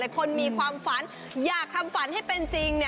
คนมีความฝันอยากทำฝันให้เป็นจริง